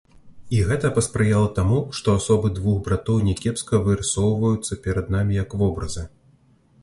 І гэта паспрыяла таму, што асобы двух братоў някепска вырысоўваюцца перад намі як вобразы.